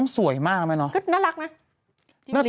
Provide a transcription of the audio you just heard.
สวยมากไหมเนาะ